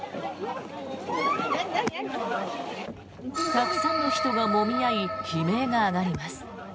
たくさんの人がもみ合い悲鳴が上がります。